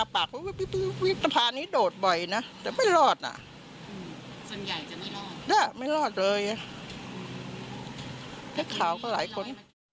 นักข่าวก็หลายคน